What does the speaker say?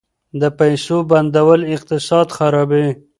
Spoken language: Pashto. د پیسو بندول اقتصاد خرابوي.